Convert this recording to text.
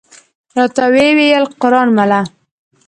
راته وې ویل: قران مله!